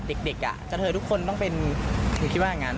แล้วก็แยกย้ายกันไปเธอก็เลยมาแจ้งความ